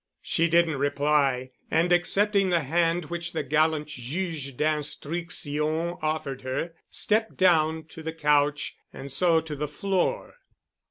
She didn't reply and accepting the hand which the gallant Juge d'Instruction offered her, stepped down to the couch and so to the floor.